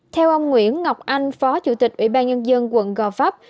theo ông nguyễn ngọc anh phó chủ tịch ủy ban nhân dân quận gò pháp